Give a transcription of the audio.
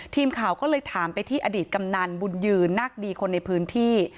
ทีมข่าวก็เลยถามไปที่อดีตกำนันบุญยืนนักดีคนในพื้นที่